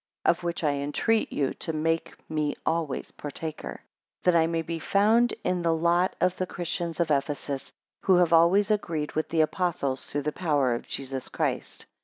8 Of which I entreat you to make me always partaker, that I may be found in the lot of the Christians of Ephesus, who have always agreed with the Apostles, through the power of Jesus Christ.